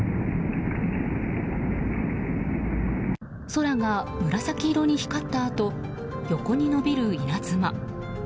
空が紫色に光ったあと横に伸びる稲妻。